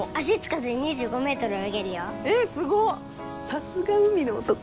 さすが海の男。